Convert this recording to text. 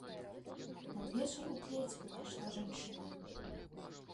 Надвечар у клець увайшла жанчына.